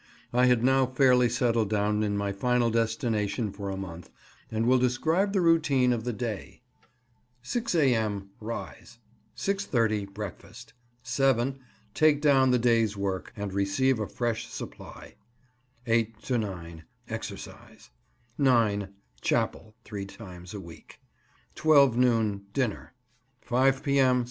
I had now fairly settled down in my final destination for a month, and will describe the routine of the day:— 6 A.M. —Rise. 6.30 „ —Breakfast. 7 „ —Take down the day's work, and receive a fresh supply. 8 to 9 „ —Exercise. 9 „ —Chapel (three times a week). 12 noon —Dinner. 5 P.M.